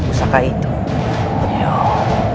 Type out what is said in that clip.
terima kasih kepulakanmu